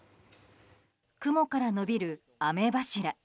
雲から延びる雨柱。